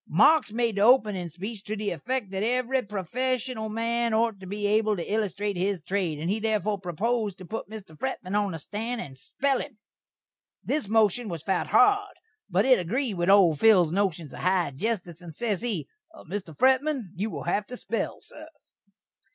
Marks made the openin' speech to the effek that every profeshunal man ort to be able to illustrate his trade, and he therefore proposed to put Mr. Fretman on the stan' and spell him. This moshun was fout hard, but it agreed with old Phil's noshuns of "high jestice," and ses he: "Mr. Fretman, you will hav to spell, sur."